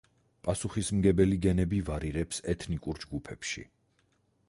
პასუხისმგებელი გენები ვარირებს ეთნიკურ ჯგუფებში.